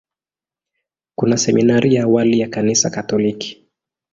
Kuna seminari ya awali ya Kanisa Katoliki.